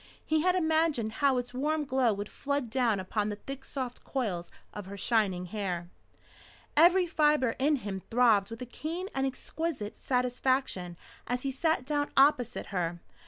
He had imagined how its warm glow would flood down upon the thick soft coils of her shining hair. Every fibre in him throbbed with a keen and exquisite satisfaction as he sat down opposite her.